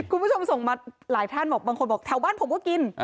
คุณผู้ชมส่งมาหลายท่านบอกบางคนบอกแถวบ้านผมก็กิน